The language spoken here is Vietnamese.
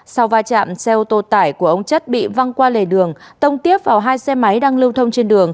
sau va chạm xe ô tô tải của ông chất bị văng qua lề đường tông tiếp vào hai xe máy đang lưu thông trên đường